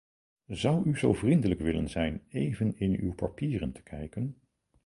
Zou u zo vriendelijk willen zijn even in uw papieren te kijken?